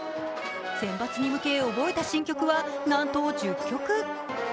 センバツに向けて覚えた新曲はなんと１０曲。